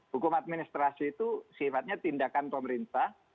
hukum administrasi itu sifatnya tindakan pemerintah